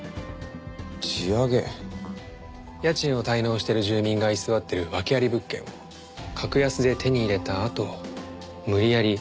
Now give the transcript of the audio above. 家賃を滞納してる住人が居座ってる訳あり物件を格安で手に入れたあと無理やり追い出すとか。